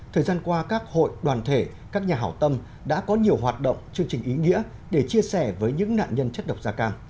thời gian qua các hội đoàn thể các nhà hảo tâm đã có nhiều hoạt động chương trình ý nghĩa để chia sẻ với những nạn nhân chất độc da cam